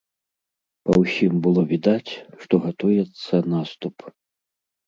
Па ўсім было відаць, што гатуецца наступ.